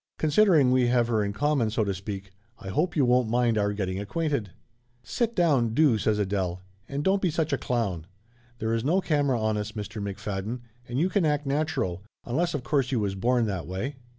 Considering we have her in common, so to speak, I hope you won't mind our getting acquainted!" "Sit down, do !" says Adele. "And don't be such a clown. There is no camera on us, Mr. McFadden, and you can act natural, unless of course you was born that way?"